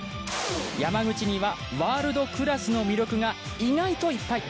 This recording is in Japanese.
山口にはワールドクラスの魅力が意外といっぱい！